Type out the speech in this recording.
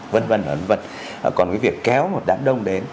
vân vân vân vân còn cái việc kéo một đám đông đến